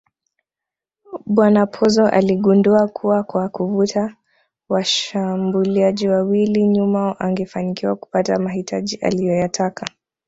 Bwana Pozzo aligundua kuwa kwa kuvuta washgambuliaji wawili nyuma angefanikiwa kupata mahitaji aliyoyataka